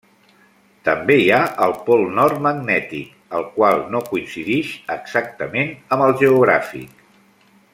També hi ha el Pol Nord Magnètic, el qual no coincidix exactament amb el geogràfic.